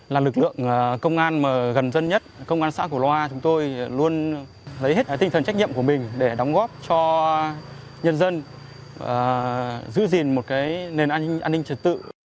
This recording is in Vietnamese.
là lực lượng công an mà gần dân nhất công an xã cổ loa chúng tôi luôn lấy hết tinh thần trách nhiệm của mình để đóng góp cho nhân dân giữ gìn một nền an ninh trật tự